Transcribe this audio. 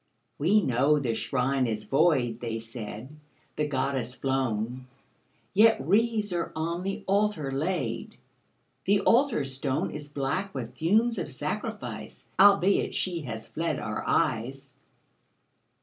"We know the Shrine is void," they said, "The Goddess flown Yet wreaths are on the Altar laid The Altar Stone Is black with fumes of sacrifice, Albeit She has fled our eyes.